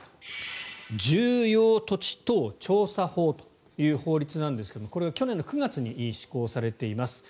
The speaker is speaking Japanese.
重要土地等調査法という法律なんですがこれ、去年の９月に施行されています。